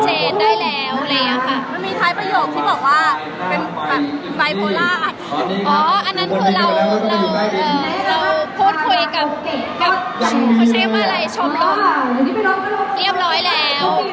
ก็คือพูดคุยกับคนใช้มาลัยชมรมเรียบร้อยแล้ว